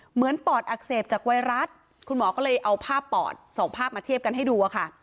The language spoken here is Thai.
ปอดอักเสบจากไวรัสคุณหมอก็เลยเอาภาพปอดส่งภาพมาเทียบกันให้ดูค่ะ